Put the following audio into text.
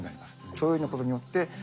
そういうようなことによってうん。